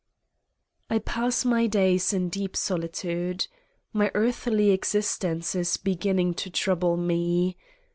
I pass my days in deep solitude. My earthly existence is beginning to trouble me.